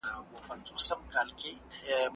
سترګو پټ پردو کي